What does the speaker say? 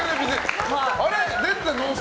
あれ？